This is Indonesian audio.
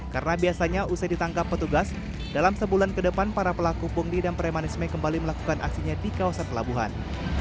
karena biasanya usai ditangkap petugas dalam sebulan ke depan para pelaku pungli dan pramanisme kembali melakukan aksinya di kawasan pelabuhan